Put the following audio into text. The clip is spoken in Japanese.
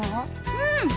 うん。